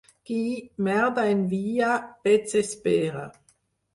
Qui merda envia, pets espera.